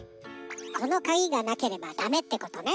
このカギがなければダメってことね。